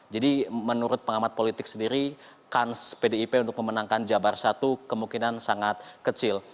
jadi menurut pengamat politik sendiri kans pdip untuk memenangkan jabar satu kemungkinan sangat kecil